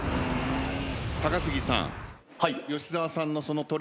高杉さん。